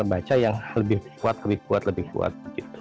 baca yang lebih kuat lebih kuat lebih kuat